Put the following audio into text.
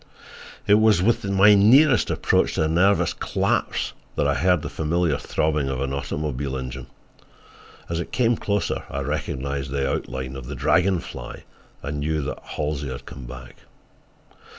It was with my nearest approach to a nervous collapse that I heard the familiar throbbing of an automobile engine. As it came closer I recognized the outline of the Dragon Fly, and knew that Halsey had come back.